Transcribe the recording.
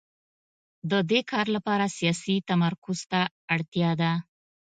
د دې کار لپاره سیاسي تمرکز ته اړتیا ده.